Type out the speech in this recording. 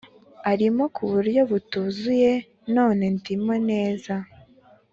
arimo ku buryo butuzuye none ndimo neza